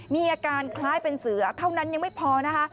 มีอาการคล้ายเป็นเสือเท่านั้นยังไม่พอนะคะ